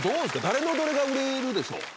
誰のどれが売れるでしょう？